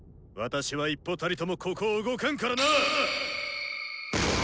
私は一歩たりともここを動かんからな！